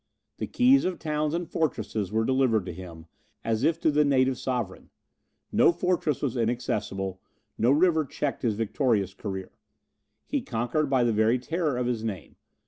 The keys of towns and fortresses were delivered to him, as if to the native sovereign. No fortress was inaccessible; no river checked his victorious career. He conquered by the very terror of his name.